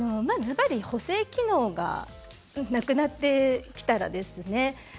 ずばり補整機能がなくなってきたらですね。